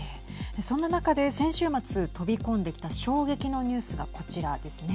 そんな中で先週末飛び込んできた衝撃のニュースがこちらですね。